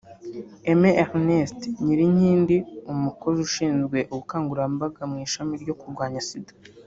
Aime Erneste Nyirinkindi umukozi ushinzwe ubukangurambaga mu ishami ryo kurwanya Sida